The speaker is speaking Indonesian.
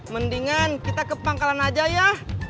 mendingan kita ke pangkalan aja ya